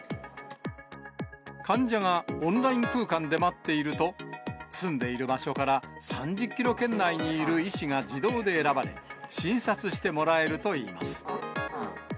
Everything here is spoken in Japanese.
患者がオンライン空間で待っていると、住んでいる場所から３０キロ圏内にいる医師が自動で選ばれ、診察してもらえるといいます。